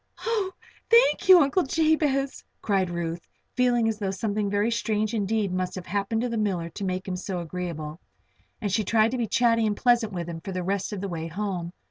"Oh, thank you, Uncle Jabez!" cried Ruth, feeling as though something very strange indeed must have happened to the miller to make him so agreeable. And she tried to be chatty and pleasant with him for the rest of the way home.